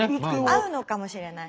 合うのかもしれない。